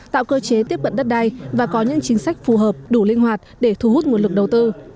tạo cơ chế tiếp cận đất đai và có những chính sách phù hợp đủ linh hoạt để thu hút nguồn lực đầu tư